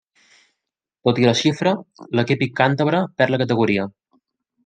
Tot i la xifra, l'equip càntabre perd la categoria.